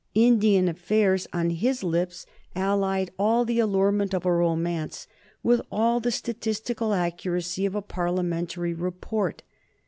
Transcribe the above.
Indian affairs on his lips allied all the allurement of a romance with all the statistical accuracy of a Parliamentary report.